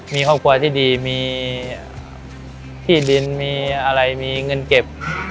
มีครอบครัวที่ดีมีที่ดินมีอะไรมีเงินเก็บ